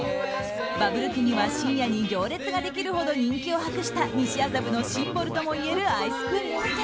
バブル期には深夜に行列ができるほど人気を博した西麻布のシンボルともいえるアイスクリーム店。